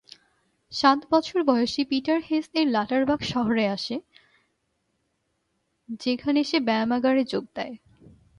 সাত বছর বয়সী পিটার হেস-এর লটারবাখ শহরে আসে, যেখানে সে ব্যায়ামাগারে যোগ দেয়।